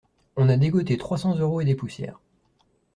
On a dégoté trois cents euros et des poussières